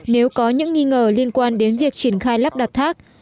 nếu có những nghi ngờ liên quan đến việc triển khai lắp đặt thác